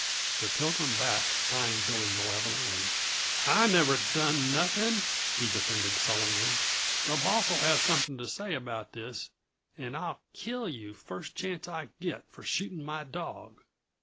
The Pilgrim backed, eying Billy malevolently. "I never done nothing," he defended sullenly. "The boss'll have something to say about this and I'll kill you first chance I get, for shooting my dog."